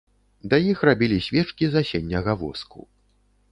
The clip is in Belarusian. Да іх рабілі свечкі з асенняга воску.